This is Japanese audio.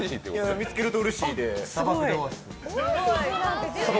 見つけるとうれしいで。